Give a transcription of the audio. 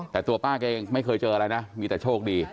แต่ตัวป้าแกเองไม่เคยเจออะไรนะมีแต่โชคดี